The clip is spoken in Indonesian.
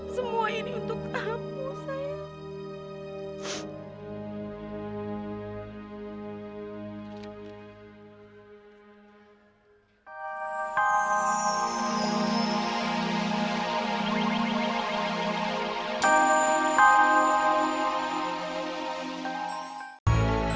semua ini untuk kamu sayang